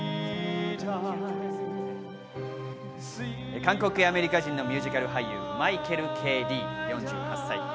韓国系アメリカ人のミュージカル俳優、マイケル・Ｋ・リー、４８歳。